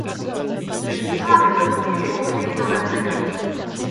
Cette histoire est reprise et complétée dans la saga.